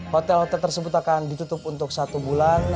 hotel hotel tersebut akan ditutup untuk satu bulan